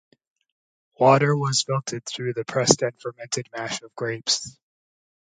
Water was filtered through the pressed and fermented mash of grapes.